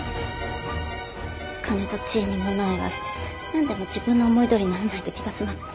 金と地位にものを言わせてなんでも自分の思いどおりにならないと気が済まない。